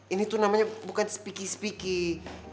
ini tuh namanya bukan speaky speaky